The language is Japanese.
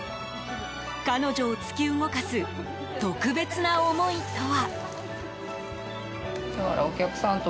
彼女を突き動かす特別な思いとは。